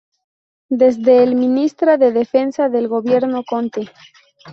Desde el es Ministra de Defensa del Gobierno Conte.